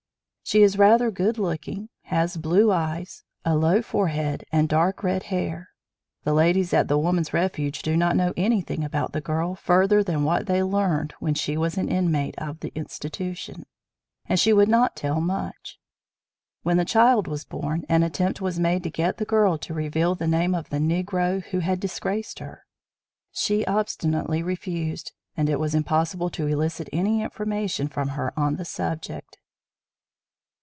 She is rather good looking, has blue eyes, a low forehead and dark red hair. The ladies at the Woman's Refuge do not know anything about the girl further than what they learned when she was an inmate of the institution; and she would not tell much. When the child was born an attempt was made to get the girl to reveal the name of the Negro who had disgraced her, she obstinately refused and it was impossible to elicit any information from her on the subject.